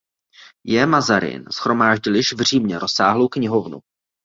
J. Mazarin shromáždil již v Římě rozsáhlou knihovnu.